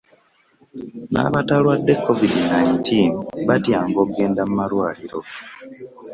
N'abatalwadde covid nineteen batyanga ogenda malwaliro.